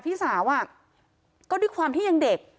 พี่สาวก็ด้วยความที่ยังเด็ก